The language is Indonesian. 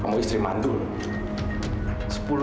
kamu istri mandul